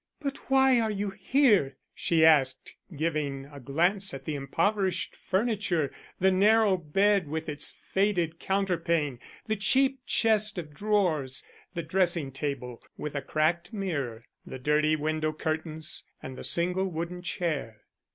"But why are you here?" she asked, giving a glance at the impoverished furniture the narrow bed with its faded counterpane, the cheap chest of drawers, the dressing table with a cracked mirror, the dirty window curtains and the single wooden chair.